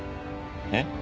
えっ？